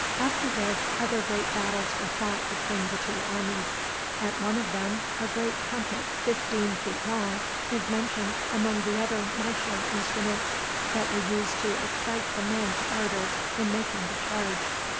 After this other great battles were fought between the two armies. At one of them, a great trumpet fifteen feet long is mentioned among the other martial instruments that were used to excite the men to ardor in making the charge.